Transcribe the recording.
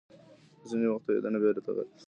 ځینې وخت تویېدنه بیرته رغېدلی شي.